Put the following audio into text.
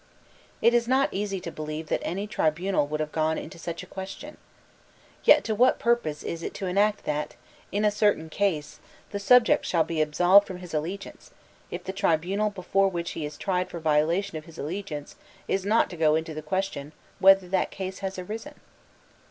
It is not easy to believe that any tribunal would have gone into such a question. Yet to what purpose is it to enact that, in a certain case, the subject shall be absolved from his allegiance, if the tribunal before which he is tried for a violation of his allegiance is not to go into the question whether that case has arisen?